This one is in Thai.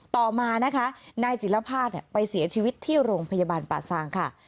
ต่อมานะคะนายจิลภาษณไปเสียชีวิตที่โรงพยาบาลป่าซางค่ะ